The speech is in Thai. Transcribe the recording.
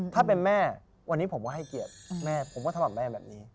ถ้าเป็นแม่วันนี้ผมว่าให้เกียรติแม่ผมว่าทำออกแม่แบบนี้